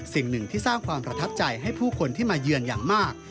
สิ่งหนึ่งที่สร้างความประทับใจให้ผู้คนที่มาเยือนอย่างมาก